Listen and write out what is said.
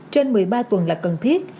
trên một mươi ba tuần là cần thiết